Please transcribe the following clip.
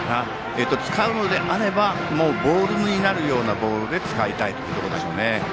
使うのであればボールになるようなボールで使いたいというところでしょうね。